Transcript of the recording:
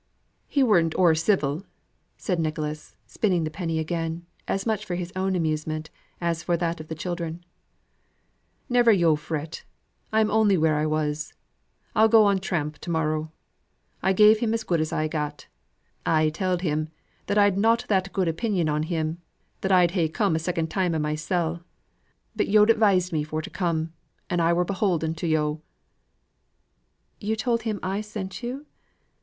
"He weren't o'er civil!" said Nicholas, spinning the penny again, as much for his own amusement as for that of the children. "Never yo' fret, I'm only where I was. I'll go on tramp to morrow. I gave him as good as I got. I telled him, I'd not that good opinion on him that I'd ha' come a second time of mysel'; but yo'd advised me for to come, and I were beholden to yo'." "You told him I sent you?"